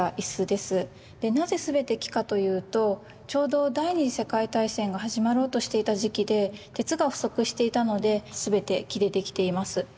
でなぜ全て木かというとちょうど第２次世界大戦が始まろうとしていた時期で鉄が不足していたので全て木でできています。